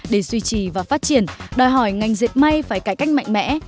để duy trì và phát triển đòi hỏi ngành diệt may phải cải cách mạnh mẽ